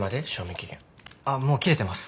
あっもう切れてます。